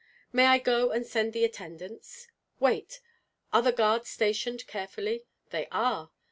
"May I go and send the attendants?" "Wait! Are the guards stationed carefully?" "They are."